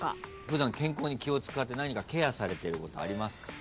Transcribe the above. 普段健康に気を使って何かケアされてることありますか？